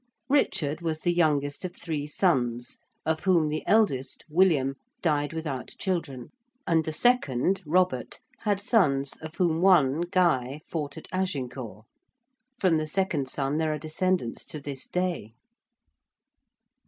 Richard was the youngest of three sons of whom the eldest, William, died without children: and the second, Robert, had sons of whom one, Guy, fought at Agincourt. From the second son there are descendants to this day.